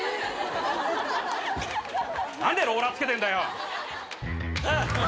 なんでローラーつけてんだよ。